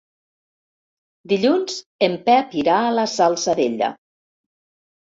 Dilluns en Pep irà a la Salzadella.